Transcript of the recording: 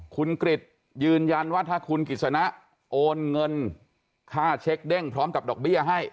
คุณกริจยืนยันว่าถ้าคุณกิจสนะโอนเงินค่าเช็คเด้งพร้อมกับดอกเบี้ยให้